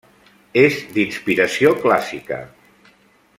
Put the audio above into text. És d'inspiració clàssica.